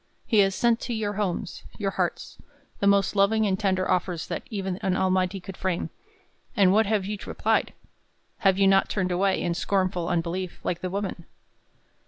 He has sent to your homes, your hearts, the most loving and tender offers that even an Almighty could frame; and what have you replied? Have you not turned away, in scornful unbelief, like the woman?